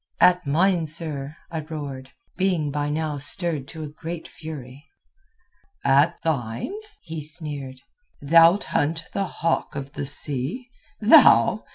"'At mine, sir,' I roared, being by now stirred to a great fury. "'At thine?' he sneered. 'Thou'lt hunt the hawk of the sea? Thou?